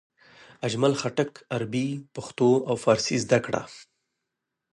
اجمل خټک عربي، پښتو او فارسي زده کړه.